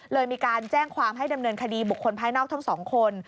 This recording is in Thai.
เลยมีการแจ้งความให้ดำเนินคดีบุคคลภายนอกทั้งสองคน